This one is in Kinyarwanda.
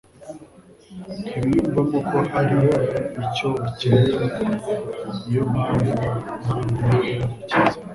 Ntibiyumvagamo ko hari icyo bakencye, ni yo mpamvu nta wo muri bo wakize.